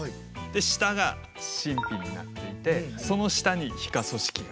下が真皮になっていてその下に皮下組織があるんですね。